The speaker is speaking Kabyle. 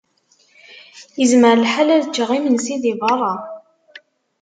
Yezmer lḥal ad ččeɣ imensi di berra.